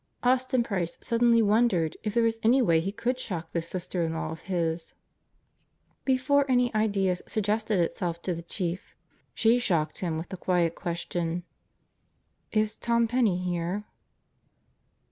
Austin Price suddenly wondered if there was any way he could shock this sister in law of his. Before any idea suggested itself to the Chief, she shocked him with the quiet question, "Is Tom Penney here?"